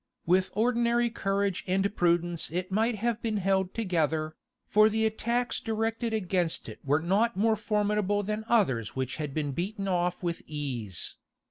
With ordinary courage and prudence it might have been held together, for the attacks directed against it were not more formidable than others which had been beaten off with ease.